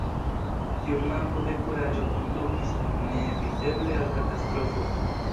Tiu manko de kuraĝo kondukis ne-eviteble al katastrofo.